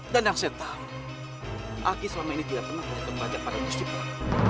dan yang saya tahu aki selama ini tidak pernah berhutang rajam pada musibah